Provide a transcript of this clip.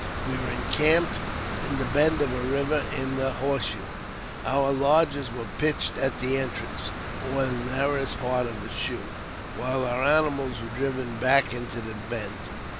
We were encamped in the bend of a river — in the "horse shoe." Our lodges were pitched at the entrance, or narrowest part of the shoe, while om animals were driven back into the bend.